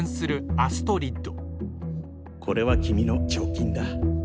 アストリッド！